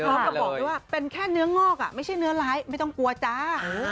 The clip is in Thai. บอกด้วยว่าเป็นแค่เนื้องอกไม่ใช่เนื้อร้ายไม่ต้องกลัวจ้า